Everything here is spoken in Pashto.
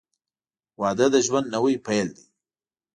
• واده د ژوند نوی پیل دی.